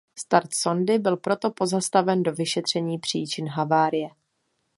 Start sondy byl proto pozastaven do vyšetření příčin havárie.